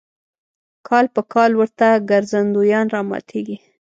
کال په کال ورته ګرځندویان راماتېږي.